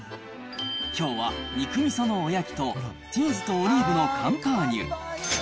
きょうは肉みそのおやきと、チーズとオリーブのカンパーニュ。